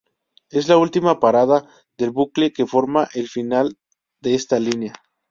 Es la última parada del bucle que forma el final de esta línea.